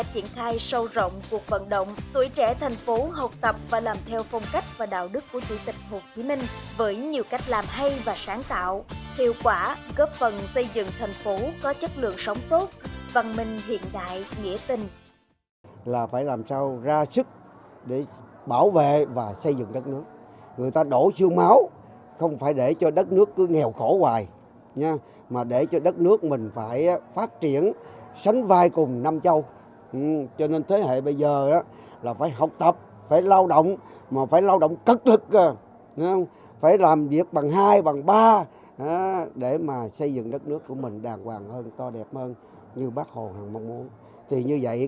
hiệu quả góp phần xây dựng thành phố có chất lượng sống tốt văn minh hiện đại dễ tình